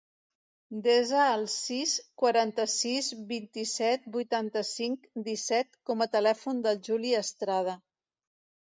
Desa el sis, quaranta-sis, vint-i-set, vuitanta-cinc, disset com a telèfon del Juli Estrada.